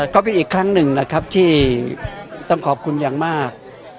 ก็เป็นอีกครั้งหนึ่งนะครับที่ต้องขอบคุณอย่างมาก